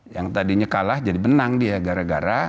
yang tadinya kalah jadi menang dia gara gara